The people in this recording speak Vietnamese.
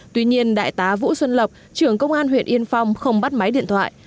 tuy nhiên đại tá vũ xuân lập trưởng công an huyện yên phong không bắt máy điện thoại